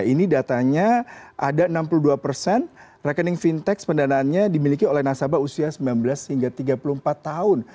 ini datanya ada enam puluh dua persen rekening fintech pendanaannya dimiliki oleh nasabah usia sembilan belas hingga tiga puluh empat tahun